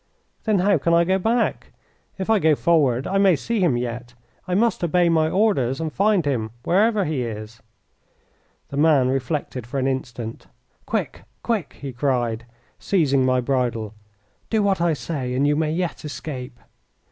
"Then how can I go back? If I go forward I may see him yet. I must obey my orders and find him whereever he is." The man reflected for an instant. "Quick! quick!" he cried, seizing my bridle. "Do what I say and you may yet escape.